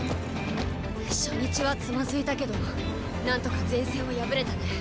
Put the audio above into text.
初日はつまずいたけど何とか前線を破れたね。